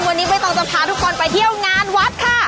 วันนี้ใบตองจะพาทุกคนไปเที่ยวงานวัดค่ะ